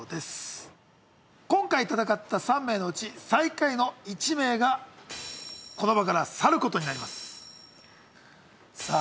今回戦った３名のうち最下位の１名がこの場から去ることになりますさあ